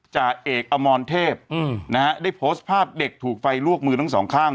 จ่าเอกอมรเทพนะฮะได้โพสต์ภาพเด็กถูกไฟลวกมือทั้งสองข้าง